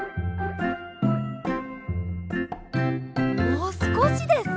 もうすこしです！